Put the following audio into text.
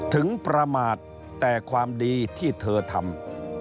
ประมาทแต่ความดีที่เธอทำ